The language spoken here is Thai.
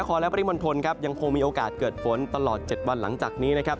ก็คงมีโอกาสเกิดฝนตลอด๗วันหลังจากนี้นะครับ